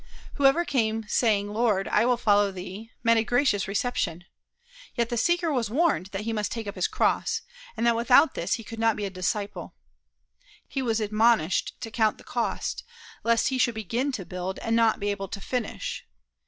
Whoever came saying, "Lord, I will follow thee," met a gracious reception. Yet the seeker was warned that he must take up his cross, and that without this he could not be a disciple. He was admonished to count the cost, lest he should begin to build and not be able to finish.